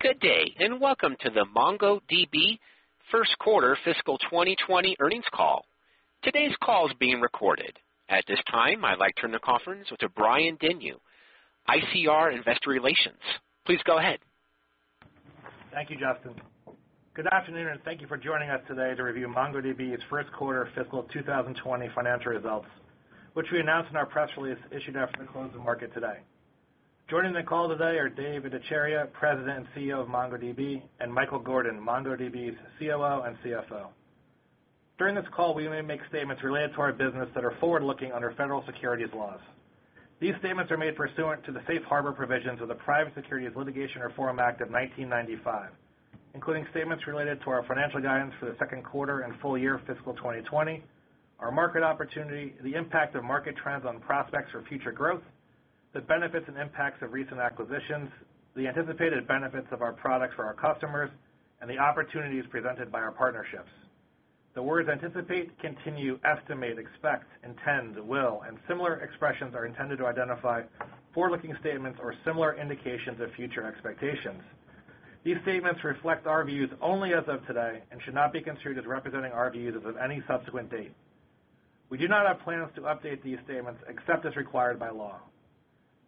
Good day, welcome to the MongoDB first quarter fiscal 2020 earnings call. Today's call is being recorded. At this time, I'd like to turn the conference over to Brian Denyeau, ICR Investor Relations. Please go ahead. Thank you, Justin. Good afternoon, thank you for joining us today to review MongoDB's first quarter fiscal 2020 financial results, which we announced in our press release issued after the close of market today. Joining the call today are Dev Ittycheria, President and CEO of MongoDB, and Michael Gordon, MongoDB's COO and CFO. During this call, we may make statements related to our business that are forward-looking under federal securities laws. These statements are made pursuant to the safe harbor provisions of the Private Securities Litigation Reform Act of 1995, including statements related to our financial guidance for the second quarter and full year of fiscal 2020, our market opportunity, the impact of market trends on prospects for future growth, the benefits and impacts of recent acquisitions, the anticipated benefits of our products for our customers, and the opportunities presented by our partnerships. The words anticipate, continue, estimate, expect, intend, will, and similar expressions are intended to identify forward-looking statements or similar indications of future expectations. These statements reflect our views only as of today and should not be construed as representing our views as of any subsequent date. We do not have plans to update these statements except as required by law.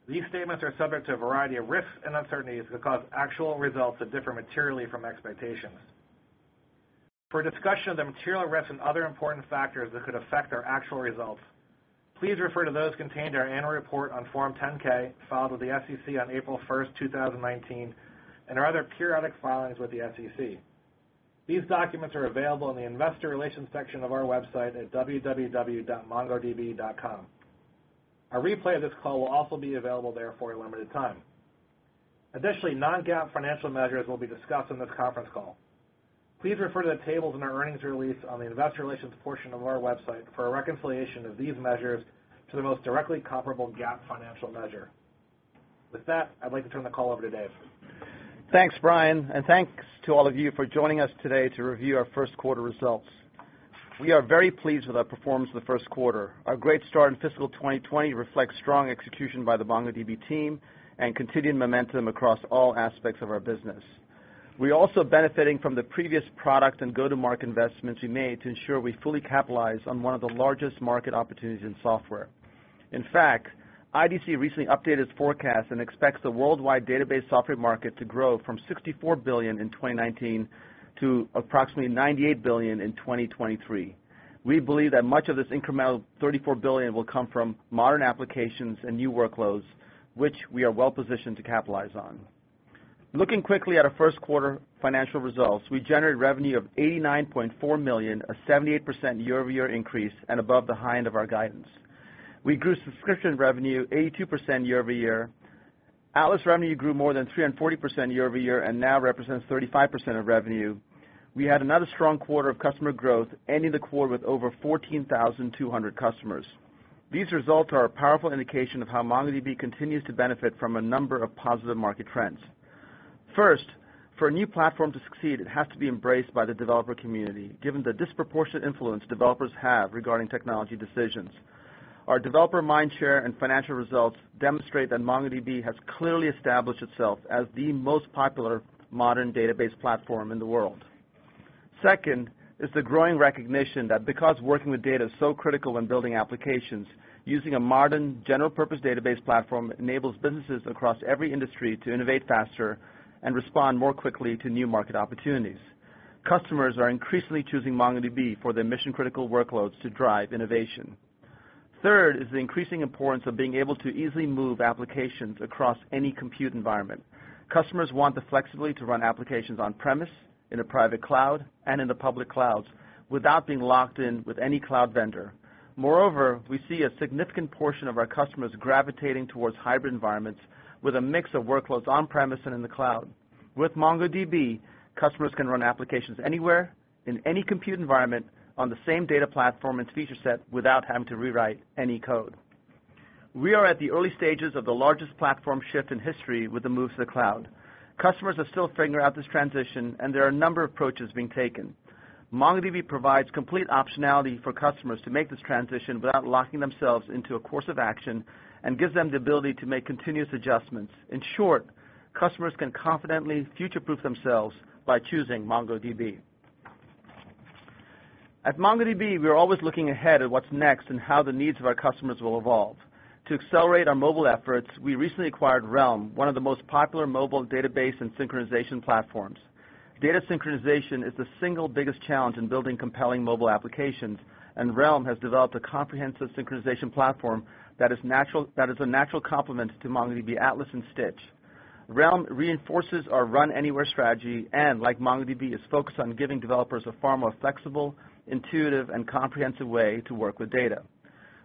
These statements are subject to a variety of risks and uncertainties that cause actual results to differ materially from expectations. For a discussion of the material risks and other important factors that could affect our actual results, please refer to those contained in our annual report on Form 10-K filed with the SEC on April 1st, 2019, our other periodic filings with the SEC. These documents are available in the investor relations section of our website at www.mongodb.com. A replay of this call will also be available there for a limited time. Additionally, non-GAAP financial measures will be discussed on this conference call. Please refer to the tables in our earnings release on the investor relations portion of our website for a reconciliation of these measures to the most directly comparable GAAP financial measure. With that, I'd like to turn the call over to Dev. Thanks, Brian. Thanks to all of you for joining us today to review our first quarter results. We are very pleased with our performance in the first quarter. Our great start in fiscal 2020 reflects strong execution by the MongoDB team and continued momentum across all aspects of our business. We're also benefiting from the previous product and go-to-market investments we made to ensure we fully capitalize on one of the largest market opportunities in software. In fact, IDC recently updated its forecast and expects the worldwide database software market to grow from $64 billion in 2019 to approximately $98 billion in 2023. We believe that much of this incremental $34 billion will come from modern applications and new workloads, which we are well-positioned to capitalize on. Looking quickly at our first quarter financial results, we generated revenue of $89.4 million, a 78% year-over-year increase, and above the high-end of our guidance. We grew subscription revenue 82% year-over-year. Atlas revenue grew more than 340% year-over-year and now represents 35% of revenue. We had another strong quarter of customer growth, ending the quarter with over 14,200 customers. These results are a powerful indication of how MongoDB continues to benefit from a number of positive market trends. First, for a new platform to succeed, it has to be embraced by the developer community, given the disproportionate influence developers have regarding technology decisions. Our developer mindshare and financial results demonstrate that MongoDB has clearly established itself as the most popular modern database platform in the world. Second is the growing recognition that because working with data is so critical when building applications, using a modern general-purpose database platform enables businesses across every industry to innovate faster and respond more quickly to new market opportunities. Customers are increasingly choosing MongoDB for their mission-critical workloads to drive innovation. Third is the increasing importance of being able to easily move applications across any compute environment. Customers want the flexibility to run applications on-premise, in a private cloud, and in the public clouds without being locked in with any cloud vendor. Moreover, we see a significant portion of our customers gravitating towards hybrid environments with a mix of workloads on-premise and in the cloud. With MongoDB, customers can run applications anywhere, in any compute environment, on the same data platform and feature set without having to rewrite any code. We are at the early stages of the largest platform shift in history with the move to the cloud. Customers are still figuring out this transition. There are a number of approaches being taken. MongoDB provides complete optionality for customers to make this transition without locking themselves into a course of action and gives them the ability to make continuous adjustments. In short, customers can confidently future-proof themselves by choosing MongoDB. At MongoDB, we are always looking ahead at what's next and how the needs of our customers will evolve. To accelerate our mobile efforts, we recently acquired Realm, one of the most popular mobile database and synchronization platforms. Data synchronization is the single biggest challenge in building compelling mobile applications, and Realm has developed a comprehensive synchronization platform that is a natural complement to MongoDB Atlas and Stitch. Realm reinforces our Run Anywhere strategy and, like MongoDB, is focused on giving developers a far more flexible, intuitive, and comprehensive way to work with data.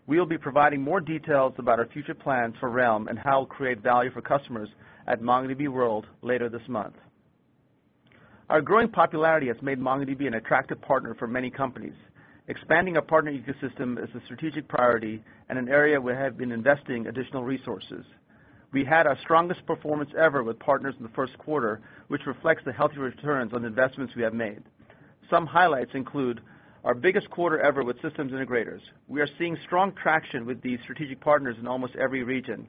We will be providing more details about our future plans for Realm and how it will create value for customers at MongoDB World later this month. Our growing popularity has made MongoDB an attractive partner for many companies. Expanding our partner ecosystem is a strategic priority and an area we have been investing additional resources. We had our strongest performance ever with partners in the first quarter, which reflects the healthy returns on investments we have made. Some highlights include our biggest quarter ever with systems integrators. We are seeing strong traction with these strategic partners in almost every region.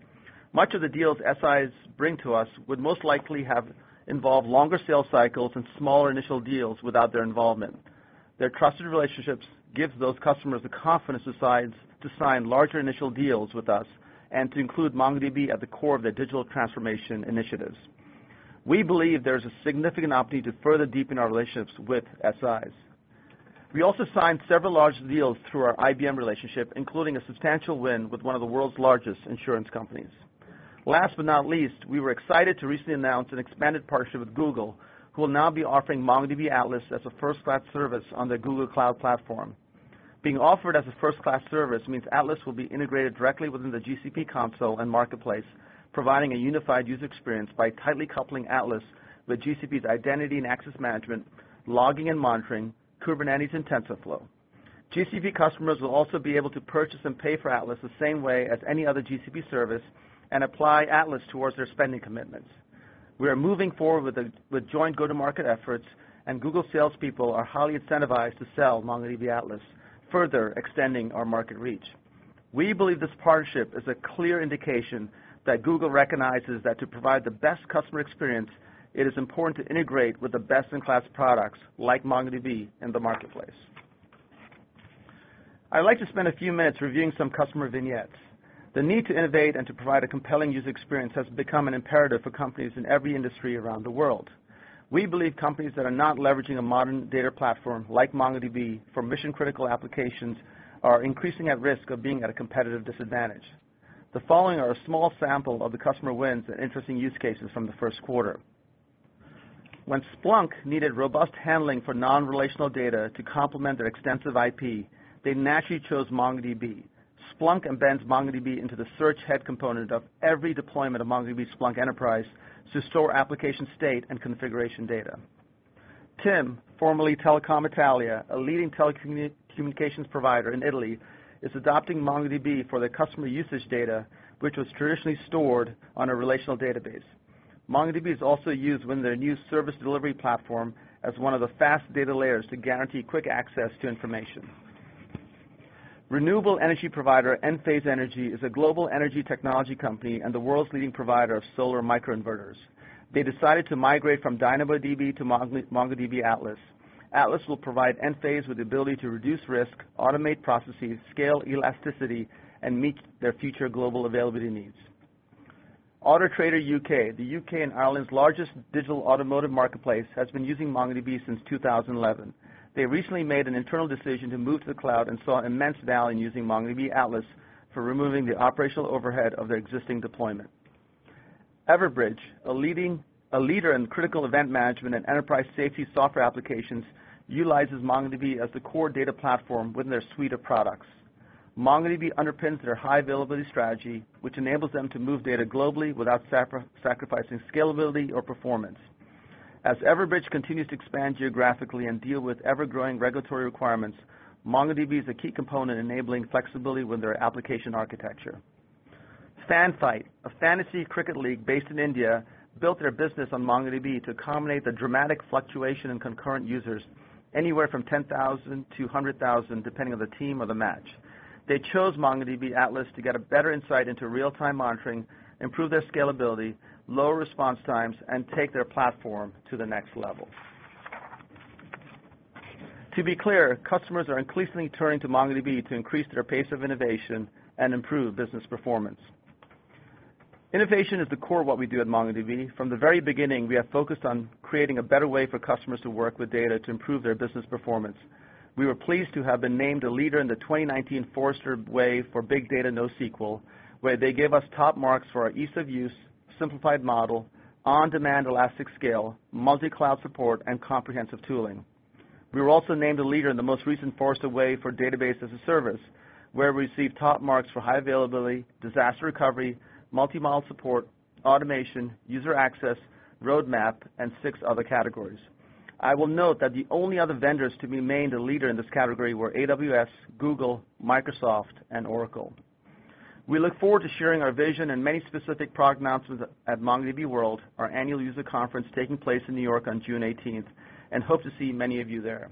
Much of the deals SIs bring to us would most likely have involved longer sales cycles and smaller initial deals without their involvement. Their trusted relationships give those customers the confidence to sign larger initial deals with us and to include MongoDB at the core of their digital transformation initiatives. We believe there's a significant opportunity to further deepen our relationships with SIs. We also signed several large deals through our IBM relationship, including a substantial win with one of the world's largest insurance companies. Last but not least, we were excited to recently announce an expanded partnership with Google, who will now be offering MongoDB Atlas as a first-class service on their Google Cloud platform. Being offered as a first-class service means Atlas will be integrated directly within the GCP console and marketplace, providing a unified user experience by tightly coupling Atlas with GCP's identity and access management, logging and monitoring, Kubernetes, and TensorFlow. GCP customers will also be able to purchase and pay for Atlas the same way as any other GCP service and apply Atlas towards their spending commitments. We are moving forward with joint go-to-market efforts, and Google salespeople are highly incentivized to sell MongoDB Atlas, further extending our market reach. We believe this partnership is a clear indication that Google recognizes that to provide the best customer experience, it is important to integrate with the best-in-class products like MongoDB in the marketplace. I'd like to spend a few minutes reviewing some customer vignettes. The need to innovate and to provide a compelling user experience has become an imperative for companies in every industry around the world. We believe companies that are not leveraging a modern data platform like MongoDB for mission-critical applications are increasingly at risk of being at a competitive disadvantage. The following are a small sample of the customer wins and interesting use cases from the first quarter. When Splunk needed robust handling for non-relational data to complement their extensive IP, they naturally chose MongoDB. Splunk embeds MongoDB into the search head component of every deployment of MongoDB Splunk Enterprise to store application state and configuration data. TIM, formerly Telecom Italia, a leading telecommunications provider in Italy, is adopting MongoDB for their customer usage data, which was traditionally stored on a relational database. MongoDB is also used within their new service delivery platform as one of the fast data layers to guarantee quick access to information. Renewable energy provider, Enphase Energy, is a global energy technology company and the world's leading provider of solar microinverters. They decided to migrate from DynamoDB to MongoDB Atlas. Atlas will provide Enphase with the ability to reduce risk, automate processes, scale elasticity, and meet their future global availability needs. Auto Trader U.K., the U.K. and Ireland's largest digital automotive marketplace, has been using MongoDB since 2011. They recently made an internal decision to move to the cloud and saw immense value in using MongoDB Atlas for removing the operational overhead of their existing deployment. Everbridge, a leader in critical event management and enterprise safety software applications, utilizes MongoDB as the core data platform within their suite of products. MongoDB underpins their high availability strategy, which enables them to move data globally without sacrificing scalability or performance. As Everbridge continues to expand geographically and deal with ever-growing regulatory requirements, MongoDB is a key component enabling flexibility with their application architecture. FanFight, a fantasy cricket league based in India, built their business on MongoDB to accommodate the dramatic fluctuation in concurrent users, anywhere from 10,000 to 100,000, depending on the team or the match. They chose MongoDB Atlas to get a better insight into real-time monitoring, improve their scalability, lower response times, and take their platform to the next level. To be clear, customers are increasingly turning to MongoDB to increase their pace of innovation and improve business performance. Innovation is the core of what we do at MongoDB. From the very beginning, we have focused on creating a better way for customers to work with data to improve their business performance. We were pleased to have been named a leader in the 2019 Forrester Wave for Big Data NoSQL, where they gave us top marks for our ease of use, simplified model, on-demand elastic scale, multi-cloud support, and comprehensive tooling. We were also named a leader in the most recent Forrester Wave for Database-as-a-Service, where we received top marks for high availability, disaster recovery, multi-model support, automation, user access, roadmap, and 6 other categories. I will note that the only other vendors to be named a leader in this category were AWS, Google, Microsoft, and Oracle. We look forward to sharing our vision and many specific product announcements at MongoDB World, our annual user conference taking place in New York on June 18th, and hope to see many of you there.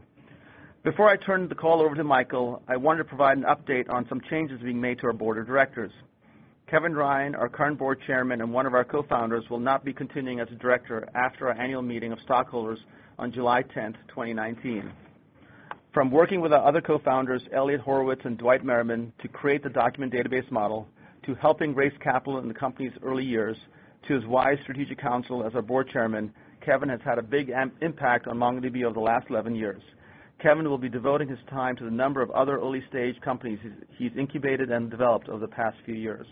Before I turn the call over to Michael, I wanted to provide an update on some changes being made to our board of directors. Kevin Ryan, our current board chairman and one of our co-founders, will not be continuing as a director after our annual meeting of stockholders on July 10th, 2019. From working with our other co-founders, Eliot Horowitz and Dwight Merriman, to create the document database model, to helping raise capital in the company's early years, to his wise strategic counsel as our board chairman, Kevin has had a big impact on MongoDB over the last 11 years. Kevin will be devoting his time to the number of other early-stage companies he's incubated and developed over the past few years.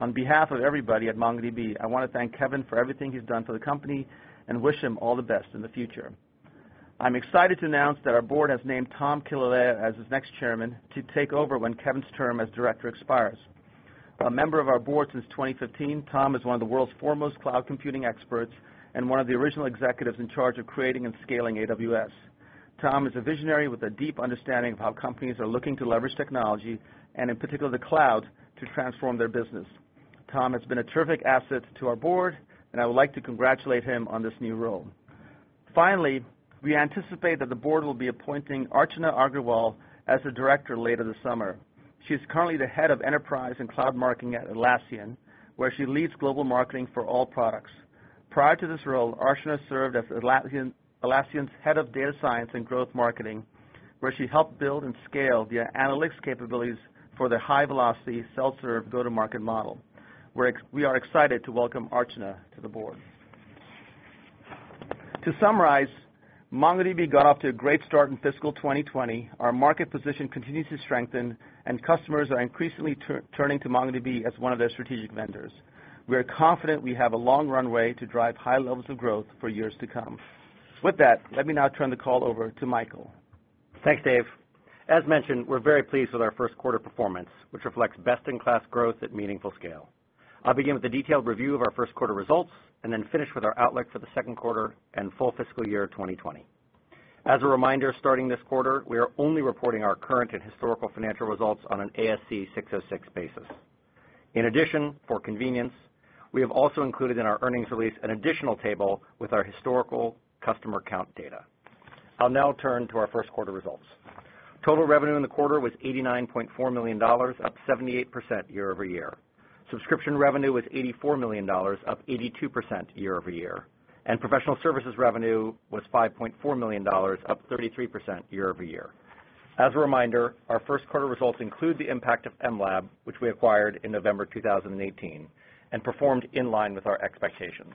On behalf of everybody at MongoDB, I want to thank Kevin for everything he's done for the company and wish him all the best in the future. I'm excited to announce that our board has named Tom Killalea as its next chairman to take over when Kevin's term as director expires. A member of our board since 2015, Tom is one of the world's foremost cloud computing experts and one of the original executives in charge of creating and scaling AWS. Tom is a visionary with a deep understanding of how companies are looking to leverage technology, and in particular the cloud, to transform their business. Tom has been a terrific asset to our board, and I would like to congratulate him on this new role. We anticipate that the board will be appointing Archana Agrawal as a director later this summer. She's currently the head of enterprise and cloud marketing at Atlassian, where she leads global marketing for all products. Prior to this role, Archana served as Atlassian's head of data science and growth marketing, where she helped build and scale the analytics capabilities for the high-velocity self-serve go-to-market model. We are excited to welcome Archana to the board. To summarize, MongoDB got off to a great start in FY 2020. Our market position continues to strengthen, and customers are increasingly turning to MongoDB as one of their strategic vendors. We are confident we have a long runway to drive high levels of growth for years to come. With that, let me now turn the call over to Michael. Thanks, Dev. As mentioned, we're very pleased with our first quarter performance, which reflects best-in-class growth at meaningful scale. I'll begin with a detailed review of our first quarter results and then finish with our outlook for the second quarter and full FY 2020. As a reminder, starting this quarter, we are only reporting our current and historical financial results on an ASC 606 basis. For convenience, we have also included in our earnings release an additional table with our historical customer count data. I'll now turn to our first quarter results. Total revenue in the quarter was $89.4 million, up 78% year-over-year. Subscription revenue was $84 million, up 82% year-over-year. Professional services revenue was $5.4 million, up 33% year-over-year. As a reminder, our first quarter results include the impact of mLab, which we acquired in November 2018 and performed in line with our expectations.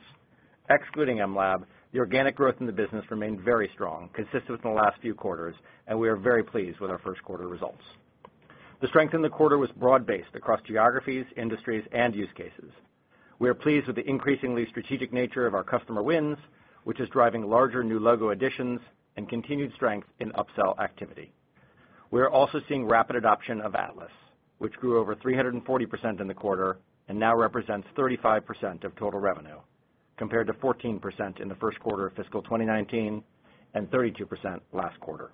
Excluding mLab, the organic growth in the business remained very strong, consistent with the last few quarters, and we are very pleased with our first quarter results. The strength in the quarter was broad-based across geographies, industries, and use cases. We are pleased with the increasingly strategic nature of our customer wins, which is driving larger new logo additions and continued strength in upsell activity. We're also seeing rapid adoption of Atlas, which grew over 340% in the quarter and now represents 35% of total revenue, compared to 14% in the first quarter of FY 2019 and 32% last quarter.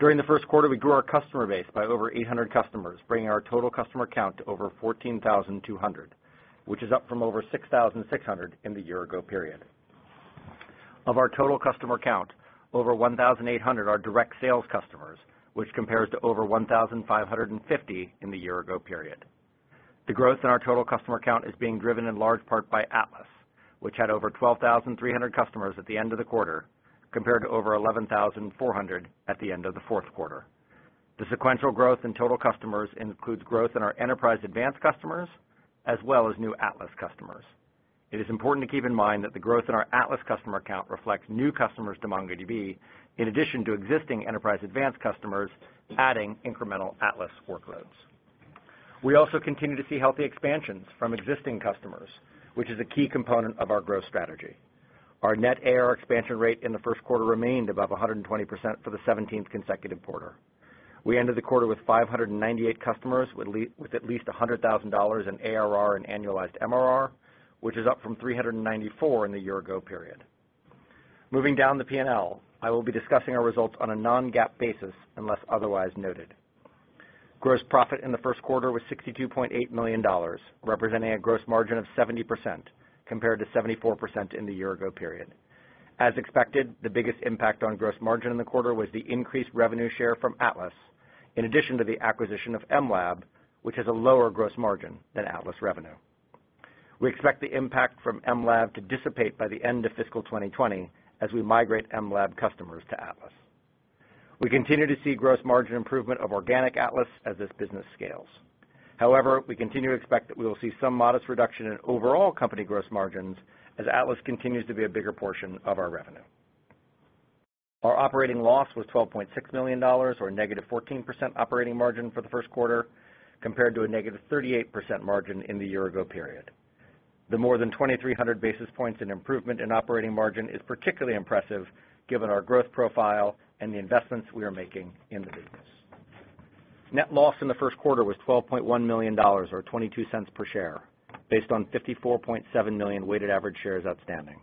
During the first quarter, we grew our customer base by over 800 customers, bringing our total customer count to over 14,200, which is up from over 6,600 in the year-ago period. Of our total customer count, over 1,800 are direct sales customers, which compares to over 1,550 in the year-ago period. The growth in our total customer count is being driven in large part by Atlas, which had over 12,300 customers at the end of the quarter, compared to over 11,400 at the end of the fourth quarter. The sequential growth in total customers includes growth in our Enterprise Advanced customers, as well as new Atlas customers. It is important to keep in mind that the growth in our Atlas customer count reflects new customers to MongoDB, in addition to existing Enterprise Advanced customers adding incremental Atlas workloads. We also continue to see healthy expansions from existing customers, which is a key component of our growth strategy. Our net ARR expansion rate in the first quarter remained above 120% for the 17th consecutive quarter. We ended the quarter with 598 customers with at least $100,000 in ARR and annualized MRR, which is up from 394 in the year-ago period. Moving down the P&L, I will be discussing our results on a non-GAAP basis unless otherwise noted. Gross profit in the first quarter was $62.8 million, representing a gross margin of 70%, compared to 74% in the year-ago period. As expected, the biggest impact on gross margin in the quarter was the increased revenue share from Atlas, in addition to the acquisition of mLab, which has a lower gross margin than Atlas revenue. We expect the impact from mLab to dissipate by the end of fiscal 2020 as we migrate mLab customers to Atlas. We continue to see gross margin improvement of organic Atlas as this business scales. However, we continue to expect that we will see some modest reduction in overall company gross margins as Atlas continues to be a bigger portion of our revenue. Our operating loss was $12.6 million, or a negative 14% operating margin for the first quarter, compared to a negative 38% margin in the year-ago period. The more than 2,300 basis points in improvement in operating margin is particularly impressive given our growth profile and the investments we are making in the business. Net loss in the first quarter was $12.1 million, or $0.22 per share, based on 54.7 million weighted average shares outstanding.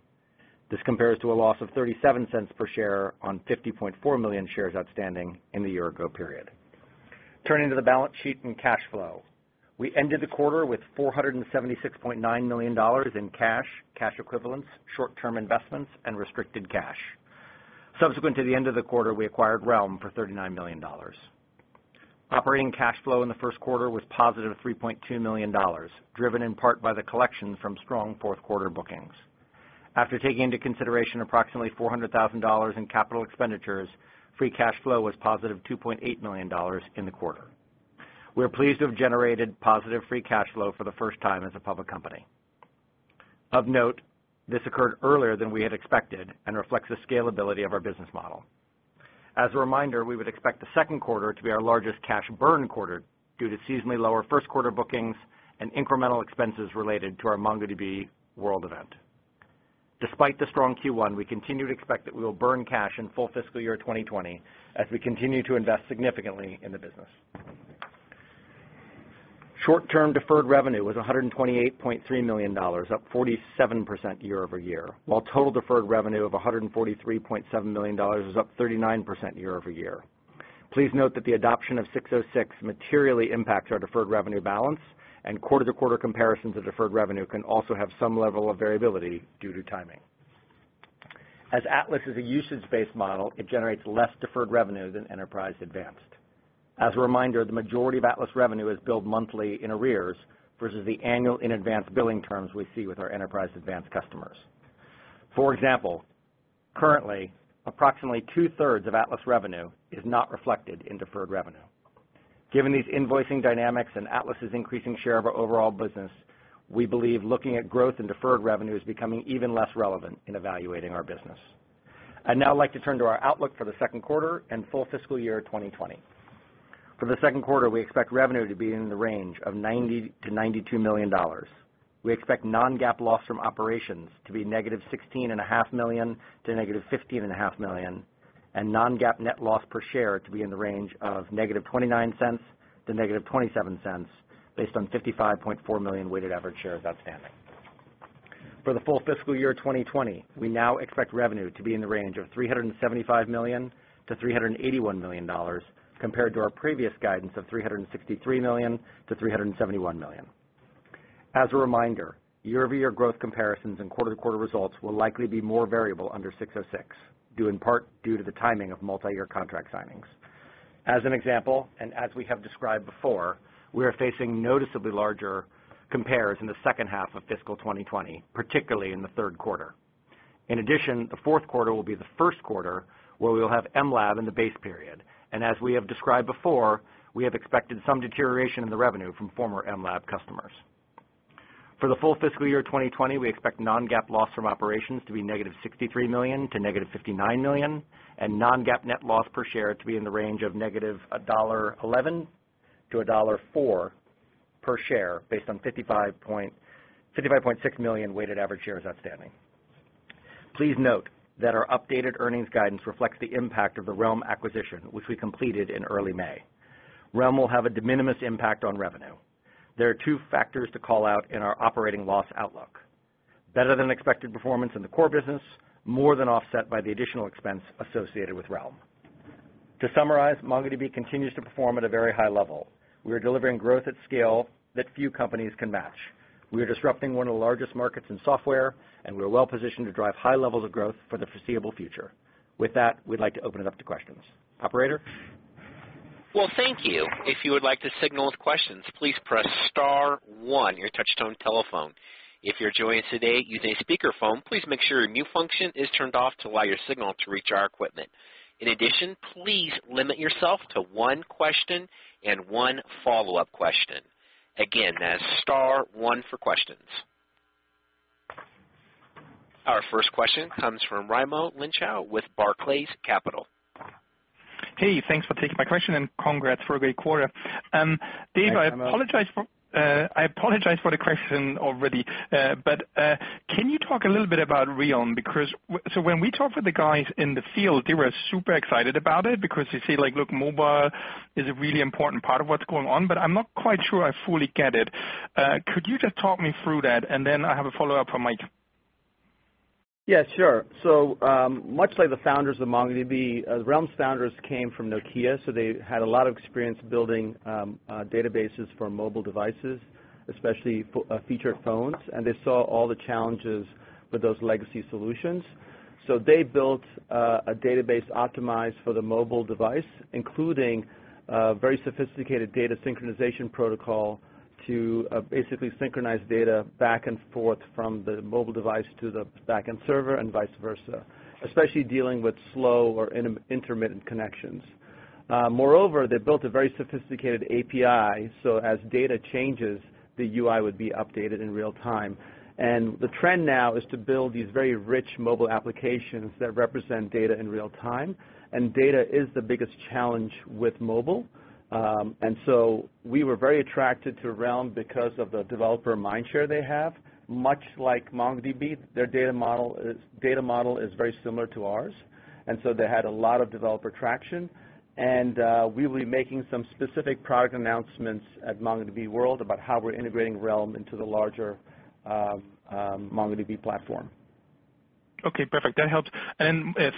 This compares to a loss of $0.37 per share on 50.4 million shares outstanding in the year-ago period. Turning to the balance sheet and cash flow. We ended the quarter with $476.9 million in cash equivalents, short-term investments, and restricted cash. Subsequent to the end of the quarter, we acquired Realm for $39 million. Operating cash flow in the first quarter was positive $3.2 million, driven in part by the collections from strong fourth-quarter bookings. After taking into consideration approximately $400,000 in capital expenditures, free cash flow was positive $2.8 million in the quarter. We are pleased to have generated positive free cash flow for the first time as a public company. Of note, this occurred earlier than we had expected and reflects the scalability of our business model. As a reminder, we would expect the second quarter to be our largest cash burn quarter due to seasonally lower first quarter bookings and incremental expenses related to our MongoDB World event. Despite the strong Q1, we continue to expect that we will burn cash in full fiscal year 2020 as we continue to invest significantly in the business. Short-term deferred revenue was $128.3 million, up 47% year-over-year, while total deferred revenue of $143.7 million is up 39% year-over-year. Please note that the adoption of 606 materially impacts our deferred revenue balance, and quarter-to-quarter comparisons of deferred revenue can also have some level of variability due to timing. As Atlas is a usage-based model, it generates less deferred revenue than Enterprise Advanced. As a reminder, the majority of Atlas revenue is billed monthly in arrears versus the annual in-advance billing terms we see with our Enterprise Advanced customers. For example, currently, approximately two-thirds of Atlas revenue is not reflected in deferred revenue. Given these invoicing dynamics and Atlas' increasing share of our overall business, we believe looking at growth in deferred revenue is becoming even less relevant in evaluating our business. I'd now like to turn to our outlook for the second quarter and full fiscal year 2020. For the second quarter, we expect revenue to be in the range of $90 million-$92 million. We expect non-GAAP loss from operations to be negative $16.5 million to negative $15.5 million, and non-GAAP net loss per share to be in the range of negative $0.29 to negative $0.27, based on 55.4 million weighted average shares outstanding. For the full fiscal year 2020, we now expect revenue to be in the range of $375 million-$381 million, compared to our previous guidance of $363 million-$371 million. As a reminder, year-over-year growth comparisons and quarter-to-quarter results will likely be more variable under 606, due in part due to the timing of multi-year contract signings. As an example, and as we have described before, we are facing noticeably larger compares in the second half of fiscal 2020, particularly in the third quarter. In addition, the fourth quarter will be the first quarter where we'll have mLab in the base period, and as we have described before, we have expected some deterioration in the revenue from former mLab customers. For the full fiscal year 2020, we expect non-GAAP loss from operations to be negative $63 million to negative $59 million, and non-GAAP net loss per share to be in the range of negative $1.11 to negative $1.04 per share, based on 55.6 million weighted average shares outstanding. Please note that our updated earnings guidance reflects the impact of the Realm acquisition, which we completed in early May. Realm will have a de minimis impact on revenue. There are two factors to call out in our operating loss outlook. Better-than-expected performance in the core business, more than offset by the additional expense associated with Realm. To summarize, MongoDB continues to perform at a very high level. We are delivering growth at scale that few companies can match. We are disrupting one of the largest markets in software, and we're well-positioned to drive high levels of growth for the foreseeable future. With that, we'd like to open it up to questions. Operator? Well, thank you. If you would like to signal with questions, please press star one on your touchtone telephone. If you're joining us today using a speakerphone, please make sure your mute function is turned off to allow your signal to reach our equipment. In addition, please limit yourself to one question and one follow-up question. Again, that's star one for questions. Our first question comes from Raimo Lenschow with Barclays Capital. Hey, thanks for taking my question, and congrats for a great quarter. Thanks, Raimo. Dev, I apologize for the question already, but can you talk a little bit about Realm? When we talk with the guys in the field, they were super excited about it because they say, "Look, mobile is a really important part of what's going on," but I'm not quite sure I fully get it. Could you just talk me through that? I have a follow-up for Michael. Yeah, sure. Much like the founders of MongoDB, Realm's founders came from Nokia, so they had a lot of experience building databases for mobile devices, especially feature phones, and they saw all the challenges with those legacy solutions. They built a database optimized for the mobile device, including a very sophisticated data synchronization protocol to basically synchronize data back and forth from the mobile device to the back-end server and vice versa, especially dealing with slow or intermittent connections. Moreover, they built a very sophisticated API, so as data changes, the UI would be updated in real time. The trend now is to build these very rich mobile applications that represent data in real time, and data is the biggest challenge with mobile. We were very attracted to Realm because of the developer mind share they have. Much like MongoDB, their data model is very similar to ours, and so they had a lot of developer traction. We will be making some specific product announcements at MongoDB World about how we're integrating Realm into the larger MongoDB platform. Okay, perfect. That helps.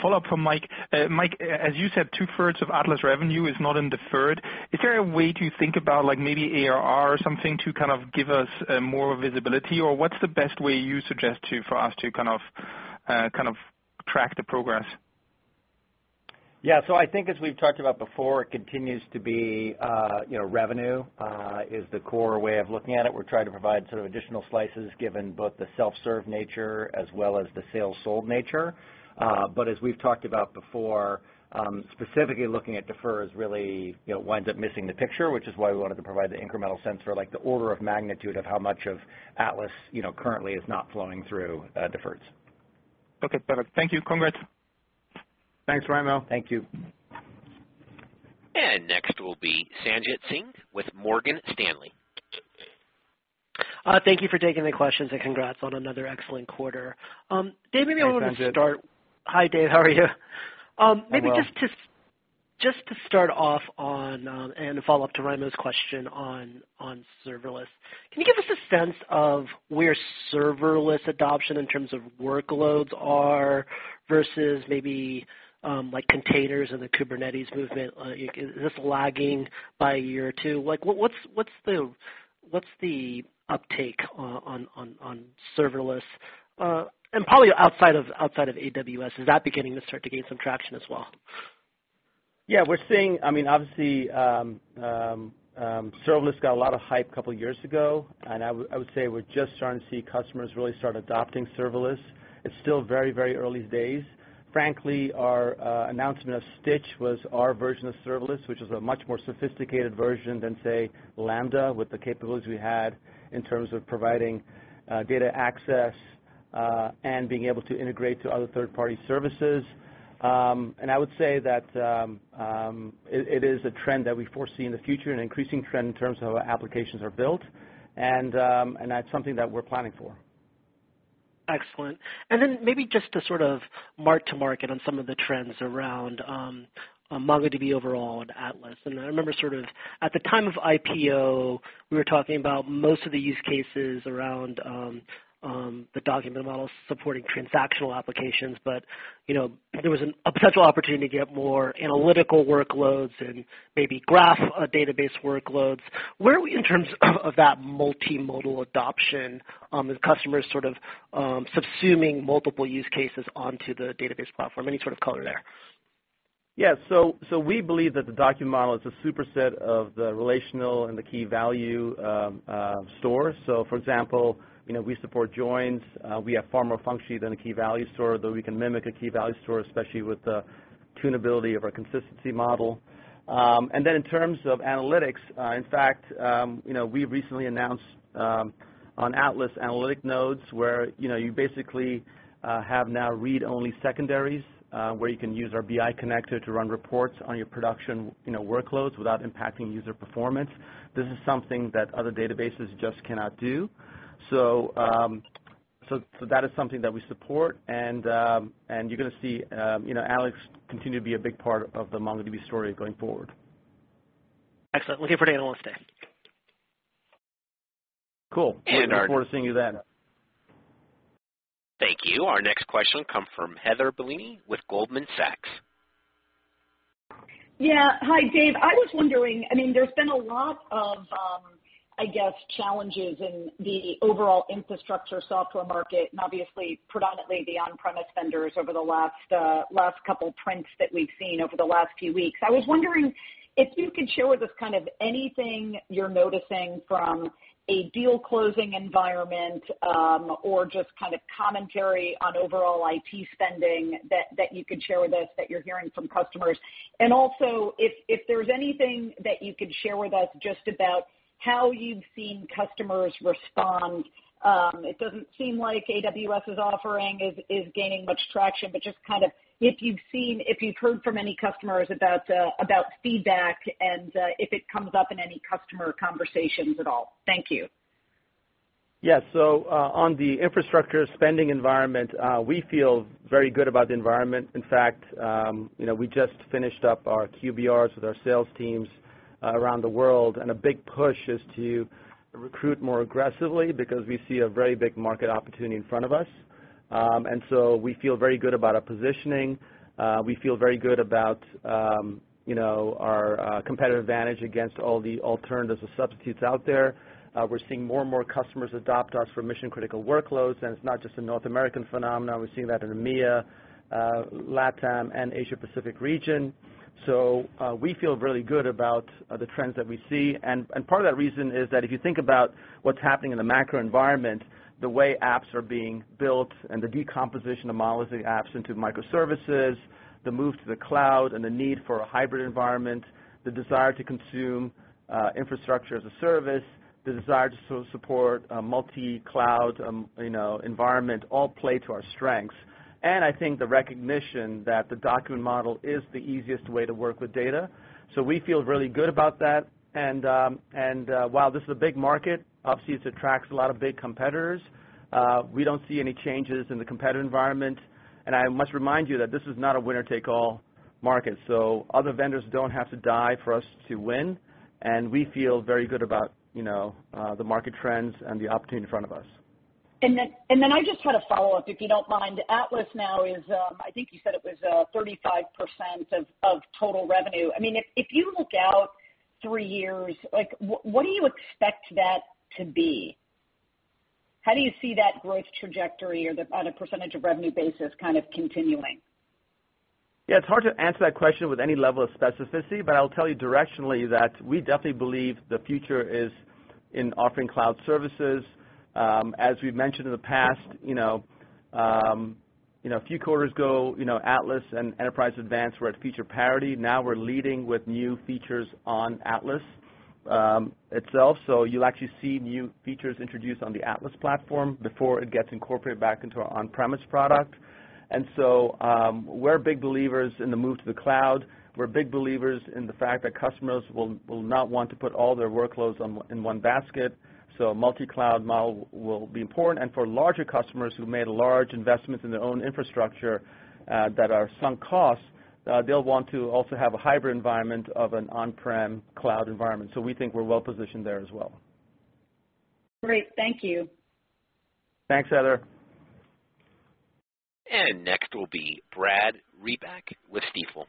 Follow-up from Michael. Michael, as you said, two-thirds of Atlas revenue is not in deferred. Is there a way to think about maybe ARR or something to kind of give us more visibility? What's the best way you suggest for us to track the progress? Yeah. I think as we've talked about before, it continues to be revenue is the core way of looking at it. We're trying to provide sort of additional slices given both the self-serve nature as well as the sales-sold nature. As we've talked about before, specifically looking at deferred really winds up missing the picture, which is why we wanted to provide the incremental sense for the order of magnitude of how much of Atlas currently is not flowing through deferreds. Okay. Perfect. Thank you. Congrats. Thanks, Raimo. Thank you. Next will be Sanjit Singh with Morgan Stanley. Thank you for taking the questions, congrats on another excellent quarter. Hey, Sanjit. Dev. Hi, Dev. How are you? I'm well. Maybe just to start off on, a follow-up to Raimo's question on serverless. Can you give us a sense of where serverless adoption in terms of workloads are versus maybe containers and the Kubernetes movement? Is this lagging by a year or two? What's the uptake on serverless, and probably outside of AWS, is that beginning to start to gain some traction as well? Yeah. Obviously, serverless got a lot of hype a couple of years ago. I would say we're just starting to see customers really start adopting serverless. It's still very early days. Frankly, our announcement of Stitch was our version of serverless, which is a much more sophisticated version than, say, Lambda, with the capabilities we had in terms of providing data access, and being able to integrate to other third-party services. I would say that it is a trend that we foresee in the future, an increasing trend in terms of how applications are built, and that's something that we're planning for. Excellent. Then maybe just to sort of mark-to-market on some of the trends around MongoDB overall and Atlas. I remember at the time of IPO, we were talking about most of the use cases around the document models supporting transactional applications. There was a potential opportunity to get more analytical workloads and maybe graph database workloads. Where are we in terms of that multimodal adoption as customers sort of subsuming multiple use cases onto the database platform? Any sort of color there. Yeah. We believe that the document model is a superset of the relational and the key-value store. For example, we support joins. We have far more functions than a key-value store, though we can mimic a key-value store, especially with the tunability of our consistency model. Then in terms of analytics, in fact, we recently announced on Atlas analytics nodes, where you basically have now read-only secondaries, where you can use our BI connector to run reports on your production workloads without impacting user performance. This is something that other databases just cannot do. That is something that we support, and you're going to see Atlas continue to be a big part of the MongoDB story going forward. Excellent. Looking for the analyst day. Cool. And our- Looking forward to seeing you then. Thank you. Our next question come from Heather Bellini with Goldman Sachs. Yeah. Hi, Dev. I was wondering, there's been a lot of, I guess, challenges in the overall infrastructure software market, obviously predominantly the on-premise vendors over the last couple of prints that we've seen over the last few weeks. I was wondering if you could share with us kind of anything you're noticing from a deal-closing environment, or just kind of commentary on overall IT spending that you could share with us that you're hearing from customers. Also, if there's anything that you could share with us just about how you've seen customers respond. It doesn't seem like AWS's offering is gaining much traction, just if you've heard from any customers about feedback and if it comes up in any customer conversations at all. Thank you. Yeah. On the infrastructure spending environment, we feel very good about the environment. In fact, we just finished up our QBRs with our sales teams around the world, a big push is to recruit more aggressively because we see a very big market opportunity in front of us. We feel very good about our positioning. We feel very good about our competitive advantage against all the alternatives or substitutes out there. We're seeing more and more customers adopt us for mission-critical workloads, it's not just a North American phenomenon. We're seeing that in EMEA, LATAM, and Asia Pacific region. We feel really good about the trends that we see. Part of that reason is that if you think about what's happening in the macro environment, the way apps are being built and the decomposition of monolithic apps into microservices, the move to the cloud and the need for a hybrid environment, the desire to consume infrastructure as a service, the desire to support a multi-cloud environment all play to our strengths. I think the recognition that the document model is the easiest way to work with data. We feel really good about that, while this is a big market, obviously, it attracts a lot of big competitors. We don't see any changes in the competitor environment. I must remind you that this is not a winner-take-all market, other vendors don't have to die for us to win, we feel very good about the market trends and the opportunity in front of us. I just had a follow-up, if you don't mind. Atlas now is, I think you said it was 35% of total revenue. If you look out three years, what do you expect that to be? How do you see that growth trajectory on a % of revenue basis kind of continuing? It's hard to answer that question with any level of specificity, but I'll tell you directionally that we definitely believe the future is in offering cloud services. As we've mentioned in the past, a few quarters ago, Atlas and Enterprise Advanced were at feature parity. Now we're leading with new features on Atlas itself, so you'll actually see new features introduced on the Atlas platform before it gets incorporated back into our on-premise product. We're big believers in the move to the cloud. We're big believers in the fact that customers will not want to put all their workloads in one basket, so a multi-cloud model will be important. For larger customers who made large investments in their own infrastructure that are sunk costs, they'll want to also have a hybrid environment of an on-prem cloud environment. We think we're well-positioned there as well. Great. Thank you. Thanks, Heather. Next will be Brad Reback with Stifel.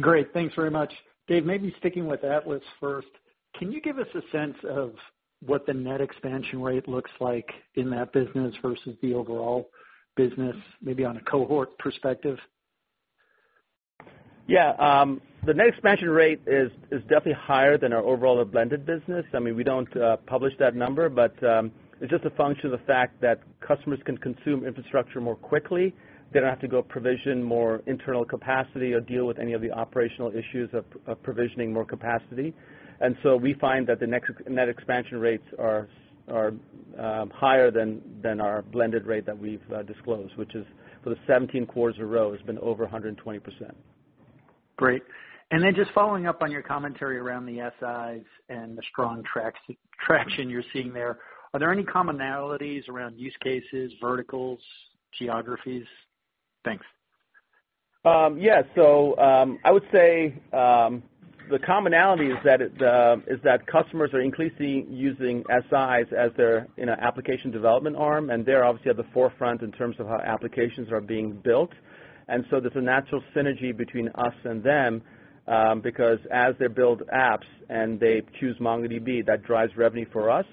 Great. Thanks very much. Dev, maybe sticking with Atlas first, can you give us a sense of what the net expansion rate looks like in that business versus the overall business, maybe on a cohort perspective? Yeah. The net expansion rate is definitely higher than our overall blended business. We don't publish that number, but it's just a function of the fact that customers can consume infrastructure more quickly. They don't have to go provision more internal capacity or deal with any of the operational issues of provisioning more capacity. We find that the net expansion rates are higher than our blended rate that we've disclosed, which is for the 17 quarters in a row, has been over 120%. Great. Just following up on your commentary around the SIs and the strong traction you're seeing there, are there any commonalities around use cases, verticals, geographies? Thanks. Yeah. I would say the commonality is that customers are increasingly using SIs as their application development arm, and they're obviously at the forefront in terms of how applications are being built. There's a natural synergy between us and them, because as they build apps and they choose MongoDB, that drives revenue for us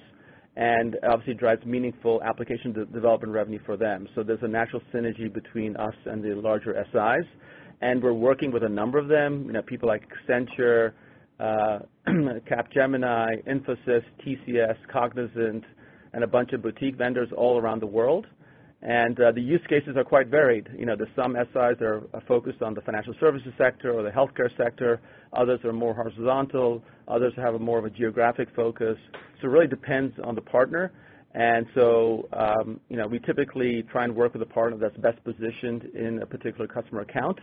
and obviously drives meaningful application development revenue for them. There's a natural synergy between us and the larger SIs, and we're working with a number of them. People like Accenture, Capgemini, Infosys, TCS, Cognizant, and a bunch of boutique vendors all around the world. The use cases are quite varied. There's some SIs that are focused on the financial services sector or the healthcare sector. Others are more horizontal, others have more of a geographic focus. It really depends on the partner. We typically try and work with a partner that's best positioned in a particular customer account.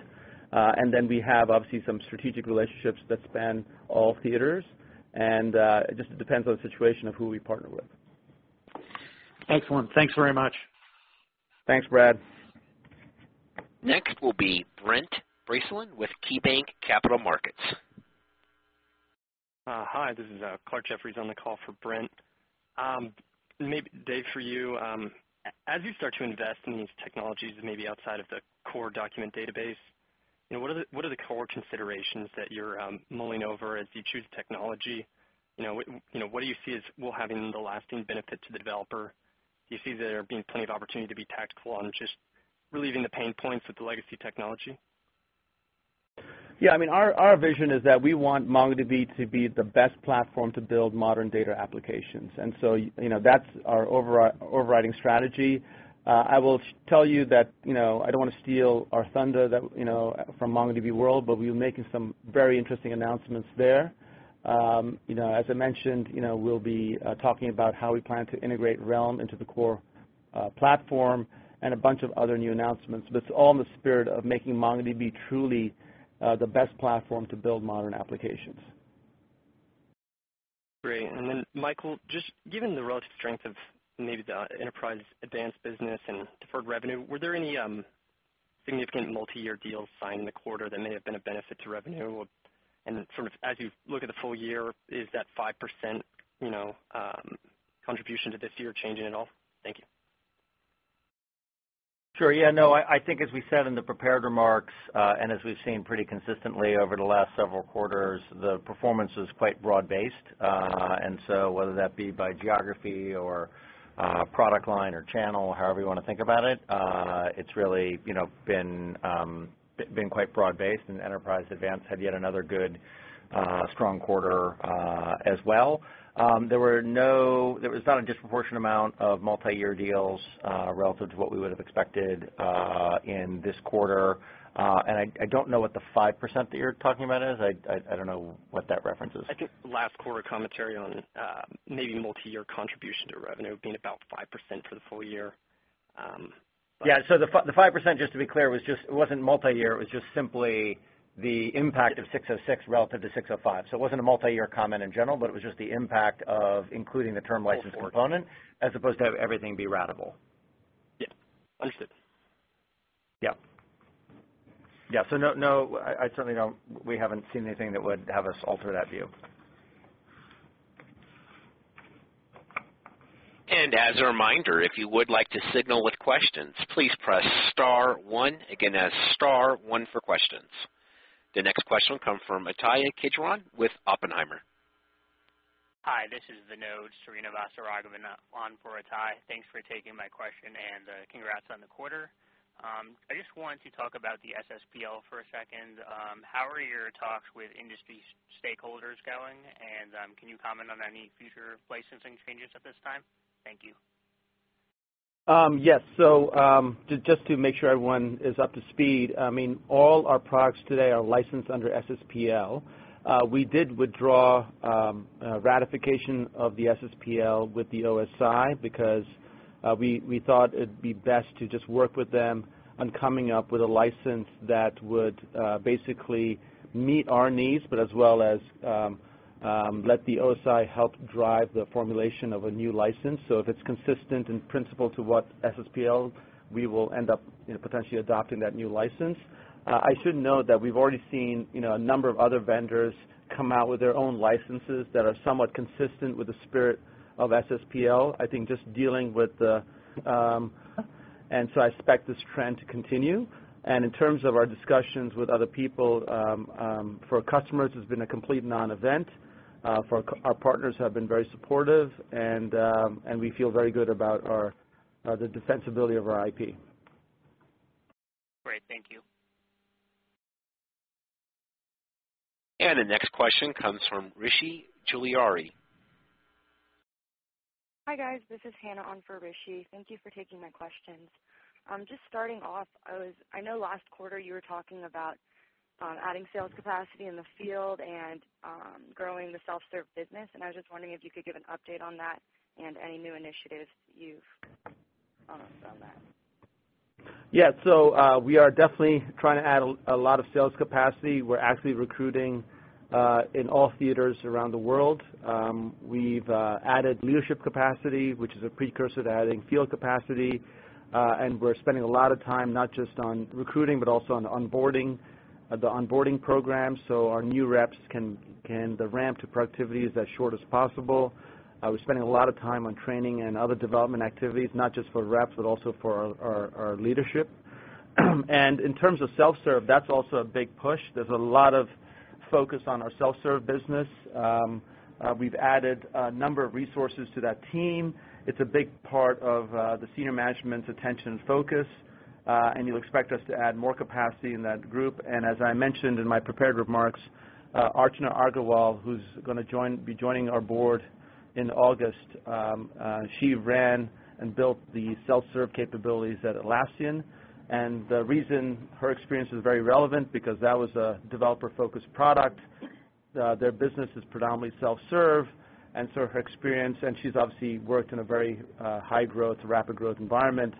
We have, obviously, some strategic relationships that span all theaters, and it just depends on the situation of who we partner with. Excellent. Thanks very much. Thanks, Brad. Next will be Brent Bracelin with KeyBanc Capital Markets. Hi, this is Clark Jeffries on the call for Brent. Maybe Dev, for you, as you start to invest in these technologies, maybe outside of the core document database, what are the core considerations that you're mulling over as you choose technology? What do you see as will have an everlasting benefit to the developer? Do you see there being plenty of opportunity to be tactical on just relieving the pain points with the legacy technology? Yeah, our vision is that we want MongoDB to be the best platform to build modern data applications. That's our overriding strategy. I will tell you that I don't want to steal our thunder from MongoDB World. We'll be making some very interesting announcements there. As I mentioned, we'll be talking about how we plan to integrate Realm into the core platform and a bunch of other new announcements. It's all in the spirit of making MongoDB truly the best platform to build modern applications. Great. Michael, just given the relative strength of maybe the Enterprise Advanced business and deferred revenue, were there any significant multi-year deals signed in the quarter that may have been a benefit to revenue? As you look at the full year, is that 5% contribution to this year changing at all? Thank you. Sure. Yeah, no, I think as we said in the prepared remarks, as we've seen pretty consistently over the last several quarters, the performance is quite broad-based. Whether that be by geography or product line or channel, however you want to think about it's really been quite broad-based and Enterprise Advanced had yet another good, strong quarter, as well. There was not a disproportionate amount of multi-year deals relative to what we would've expected, in this quarter. I don't know what the 5% that you're talking about is. I don't know what that reference is. I think last quarter commentary on maybe multi-year contribution to revenue being about 5% for the full year. Yeah. The 5%, just to be clear, it wasn't multi-year, it was just simply the impact of ASC 606 relative to ASC 605. It wasn't a multi-year comment in general, but it was just the impact of including the term license component as opposed to everything be ratable. Yeah. Understood. Yeah. No, we haven't seen anything that would have us alter that view. As a reminder, if you would like to signal with questions, please press star one. Again, that's star one for questions. The next question will come from Ittai Kidron with Oppenheimer. Hi, this is Vinod Srinivasaraghavan on for Ittai. Thanks for taking my question and congrats on the quarter. I just want to talk about the SSPL for a second. How are your talks with industry stakeholders going, and can you comment on any future licensing changes at this time? Thank you. Yes. Just to make sure everyone is up to speed, all our products today are licensed under SSPL. We did withdraw ratification of the SSPL with the OSI because we thought it'd be best to just work with them on coming up with a license that would basically meet our needs, but as well as let the OSI help drive the formulation of a new license. If it's consistent in principle to what SSPL, we will end up potentially adopting that new license. I should note that we've already seen a number of other vendors come out with their own licenses that are somewhat consistent with the spirit of SSPL. I expect this trend to continue. In terms of our discussions with other people, for our customers, it's been a complete non-event. Our partners have been very supportive, and we feel very good about the defensibility of our IP. Great. Thank you. The next question comes from Rishi Jaluria. Hi, guys. This is Hannah on for Rishi. Thank you for taking my questions. Just starting off, I know last quarter you were talking about adding sales capacity in the field and growing the self-serve business, I was just wondering if you could give an update on that and any new initiatives you've announced on that. Yeah. We are definitely trying to add a lot of sales capacity. We're actively recruiting in all theaters around the world. We've added leadership capacity, which is a precursor to adding field capacity. We're spending a lot of time not just on recruiting, but also on the onboarding program so our new reps the ramp to productivity is as short as possible. We're spending a lot of time on training and other development activities, not just for reps, but also for our leadership. In terms of self-serve, that's also a big push. There's a lot of focus on our self-serve business. We've added a number of resources to that team. It's a big part of the senior management's attention and focus. You'll expect us to add more capacity in that group. As I mentioned in my prepared remarks, Archana Agrawal, who's going to be joining our board in August, she ran and built the self-serve capabilities at Atlassian. The reason her experience is very relevant, because that was a developer-focused product. Their business is predominantly self-serve. Her experience, and she's obviously worked in a very high-growth, rapid growth environment.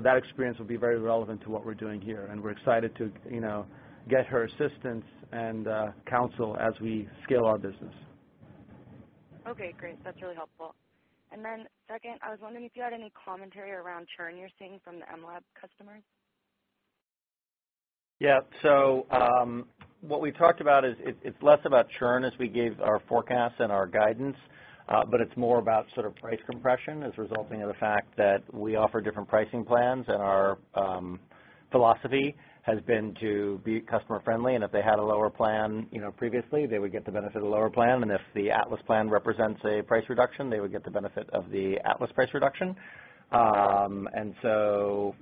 That experience will be very relevant to what we're doing here, and we're excited to get her assistance and counsel as we scale our business. Okay, great. That's really helpful. Second, I was wondering if you had any commentary around churn you're seeing from the mLab customers. Yeah. What we've talked about is it's less about churn as we gave our forecast and our guidance. It's more about price compression as resulting of the fact that we offer different pricing plans, and our philosophy has been to be customer friendly, and if they had a lower plan previously, they would get the benefit of the lower plan. If the Atlas plan represents a price reduction, they would get the benefit of the Atlas price reduction. So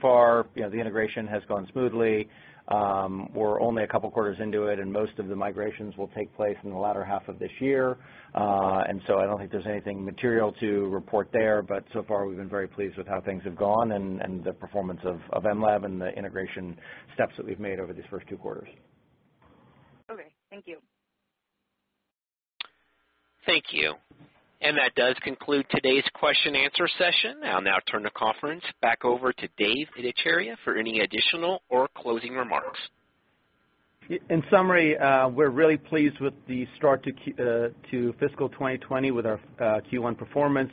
far, the integration has gone smoothly. We're only a couple quarters into it, and most of the migrations will take place in the latter half of this year. I don't think there's anything material to report there, but so far, we've been very pleased with how things have gone and the performance of mLab and the integration steps that we've made over these first two quarters. Okay. Thank you. Thank you. That does conclude today's question and answer session. I'll now turn the conference back over to Dev Ittycheria for any additional or closing remarks. In summary, we're really pleased with the start to fiscal 2020 with our Q1 performance.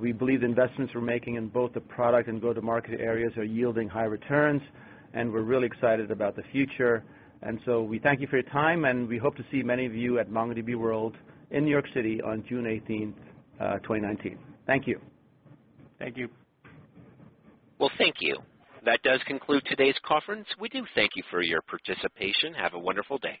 We believe the investments we're making in both the product and go-to-market areas are yielding high returns. We're really excited about the future. We thank you for your time, and we hope to see many of you at MongoDB World in New York City on June 18th, 2019. Thank you. Thank you. Well, thank you. That does conclude today's conference. We do thank you for your participation. Have a wonderful day.